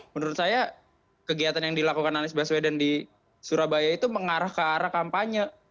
menurut saya kegiatan yang dilakukan anies baswedan di surabaya itu mengarah ke arah kampanye